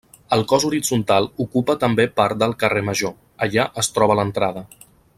El cos horitzontal ocupa també part del Carrer Major, allà es troba l'entrada.